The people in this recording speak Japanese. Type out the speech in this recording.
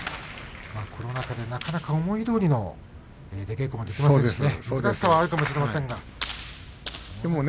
コロナ禍で思いどおりの出稽古ができませんがね。